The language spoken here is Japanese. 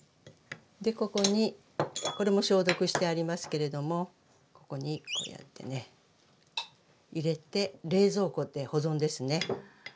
でここにこれも消毒してありますけれどもここにこうやってね入れて冷蔵庫で保存ですね。